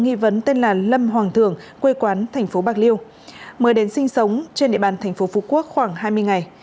nghi vấn tên là lâm hoàng thường quê quán tp bạc liêu mới đến sinh sống trên địa bàn tp phú quốc khoảng hai mươi ngày